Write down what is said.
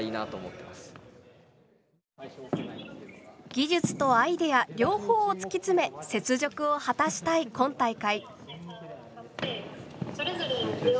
技術とアイデア両方を突き詰め雪辱を果たしたい今大会。